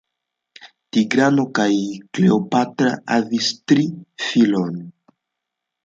Tigrano kaj Kleopatra havis tri filojn.